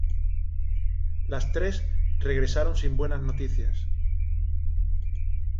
Las tres regresaron sin buenas noticias.